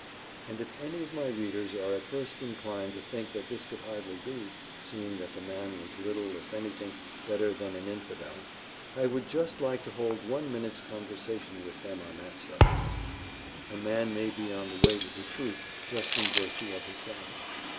And if any of my readers are at first inclined to think that this could hardly be, seeing that the man was little, if anything, better than an infidel, I would just like to hold one minute's conversation with them on that subject. A man may be on the way to the truth, just in virtue of his doubting.